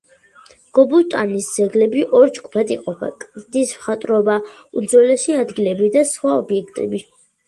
გობუსტანის ძეგლები ორ ჯგუფად იყოფა: კლდის მხატვრობა; უძველესი ადგილები და სხვა ობიექტები.